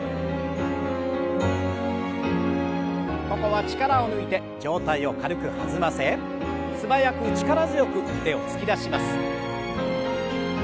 ここは力を抜いて上体を軽く弾ませ素早く力強く腕を突き出します。